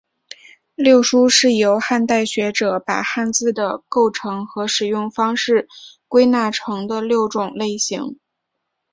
六书是由汉代的学者把汉字的构成和使用方式归纳成的六种类型。